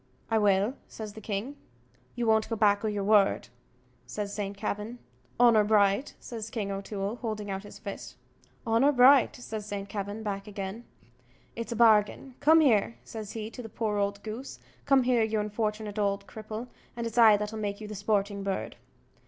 "I will," says the king. "You won't go back o' your word?" says St. Kavin. "Honour bright!" says King O'Toole, holding out his fist. "Honour bright!" says St. Kavin, back again, "it's a bargain. Come here!" says he to the poor old goose "come here, you unfortunate ould cripple, and it's I that'll make you the sporting bird."